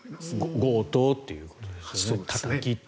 強盗ということですね。